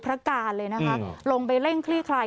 พระการเลยนะคะลงไปเร่งคลี่คลาย